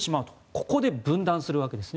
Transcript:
ここで分断するわけです。